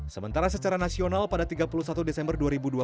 sementara secara nasional pada tiga puluh satu desember dua ribu dua puluh satu